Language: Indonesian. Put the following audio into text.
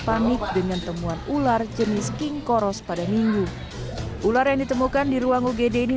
panik dengan temuan ular jenis king koros pada minggu ular yang ditemukan di ruang ugd ini